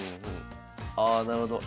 あなるほど。